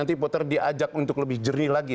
nanti puter diajak untuk lebih jernih lagi